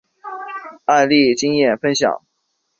案例经验分享